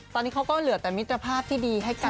ตอนนี้เขาก็เหลือแต่มิตรภาพที่ดีให้กัน